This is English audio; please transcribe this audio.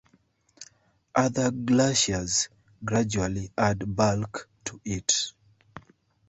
Other glaciers gradually add bulk to it.